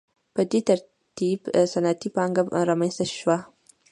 په دې ترتیب صنعتي پانګه رامنځته شوه.